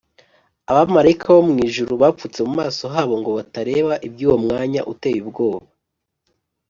abamarayika bo mu ijuru bapfutse mu maso habo ngo batareba iby’uwo mwanya uteye ubwoba